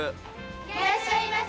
いらっしゃいませ。